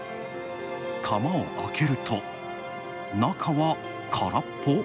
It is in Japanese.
釜を開けると、中はからっぽ。